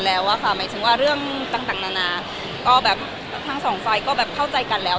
แล้วว่าค่ะไม่ทิ้งว่าเรื่องต่างนะก็แบบทั้ง๒ไซก์ก็แบบเข้าใจกันแล้ว